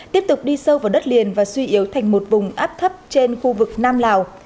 tiếp tục đi sâu vào đất liền và suy yếu thành một vùng áp thấp trên khu vực nam lào